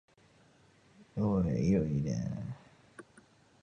彼女のお弁当箱は小さく、あれでどうして身体が維持できるのか理解できなかった